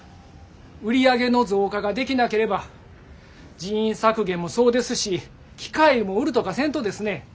売り上げの増加ができなければ人員削減もそうですし機械も売るとかせんとですね